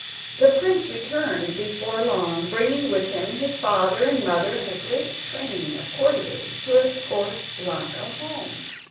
The prince returned before long, bringing with him his father and mother and a great train of courtiers to escort Ilonka home.